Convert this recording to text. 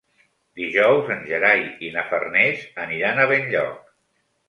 Dijous en Gerai i na Farners aniran a Benlloc.